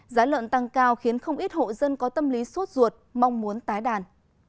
giá lợn tăng cao khiến không ít hộ dân có tâm lý suốt ruột mong muốn tái đàn